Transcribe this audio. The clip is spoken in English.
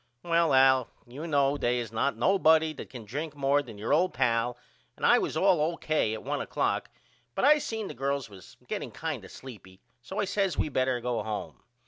Well Al you know they is not nobody that can drink more than your old pal and I was all O.K. at one oclock but I seen the girls was getting kind of sleepy so I says we better go home.